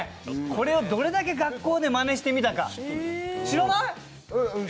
これをどれだけ学校でまねしてみたか。